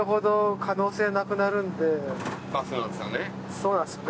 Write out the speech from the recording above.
そうなんですよね。